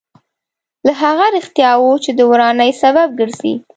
له هغه رښتیاوو چې د ورانۍ سبب ګرځي.